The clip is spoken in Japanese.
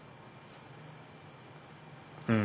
うん。